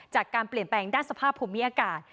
จากการเปลี่ยนแปลงด้านสภาพภูมิอากาศ